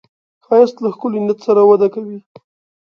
ښایست له ښکلي نیت سره وده کوي